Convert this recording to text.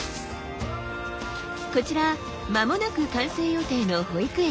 こちら間もなく完成予定の保育園。